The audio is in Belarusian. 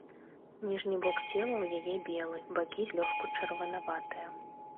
Ніжні бок цела ў яе белы, бакі злёгку чырванаватыя.